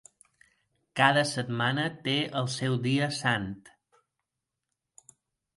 Cada setmana té el seu dia sant.